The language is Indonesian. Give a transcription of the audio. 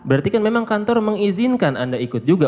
berarti kan memang kantor mengizinkan anda ikut juga